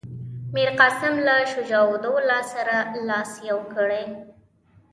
میرقاسم له شجاع الدوله سره لاس یو کړی.